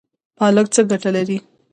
پالک څه ګټه لري؟